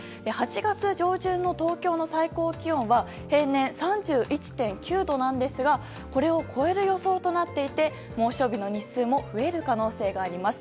８月上旬の東京の最高気温は平年３１．９度なんですがこれを超える予想となっていて猛暑日の日数も増える可能性があります。